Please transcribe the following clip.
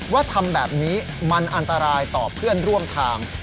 ว่าทำแบบนี้มันอันตรายต่อเพื่อนร่วมทาง